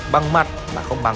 bằng mặt mà không bằng lòng